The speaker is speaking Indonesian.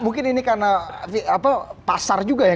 mungkin ini karena pasar juga ya